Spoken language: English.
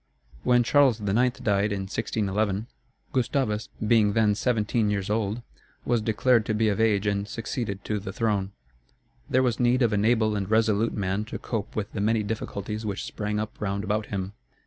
When Charles IX. died, in 1611, Gustavus, being then seventeen years old, was declared to be of age and succeeded to the throne. There was need of an able and resolute man to cope with the many difficulties which sprang up round about him.